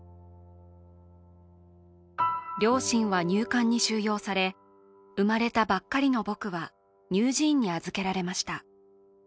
両親は入管に収容され、生まれたばっかりの僕は乳児院に預けられました。